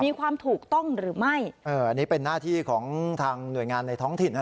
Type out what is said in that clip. มีความถูกต้องหรือไม่เอออันนี้เป็นหน้าที่ของทางหน่วยงานในท้องถิ่นนะ